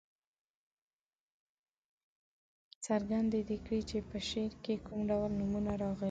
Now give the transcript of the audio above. څرګنده دې کړي چې په شعر کې کوم ډول نومونه راغلي.